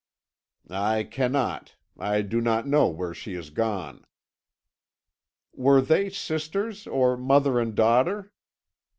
"I cannot; I do not know where she has gone." "Were they sisters, or mother and daughter?"